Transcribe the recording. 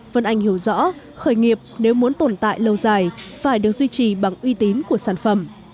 phân ảnh hiểu rõ khởi nghiệp nếu muốn tồn tại lâu dài phải được duy trì bằng uy tín của sản phẩm